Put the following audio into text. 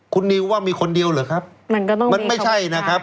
คุณนิวว่ามีคนเดียวหรือครับมันไม่ใช่นะครับ